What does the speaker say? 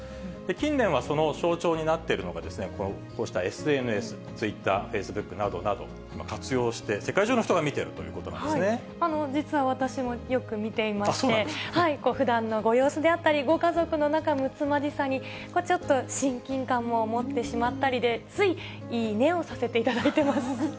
近年はその象徴になっているのが、こうしたＳＮＳ、ツイッター、フェイスブックなどなどを活用して、世界中の人が見ているという実は私もよく見ていまして、ふだんのご様子であったり、ご家族の仲睦まじさに、ちょっと親近感も持ってしまったりで、つい、いいねをさせていただいてます。